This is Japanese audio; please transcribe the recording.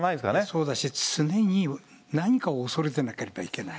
そうだし、常に何かを恐れてなければいけない。